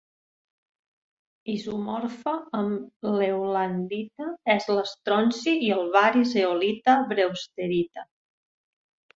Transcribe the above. Isomorfa amb l'heulandita és l'estronci i el bari zeolita brewsterita.